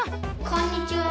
こんにちは。